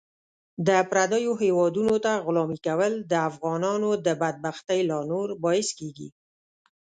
د پردیو هیوادونو ته غلامي کول د افغانانو د بدبختۍ لا نور باعث کیږي .